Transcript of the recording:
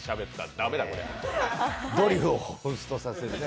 ドリフをほうふつとさせるね。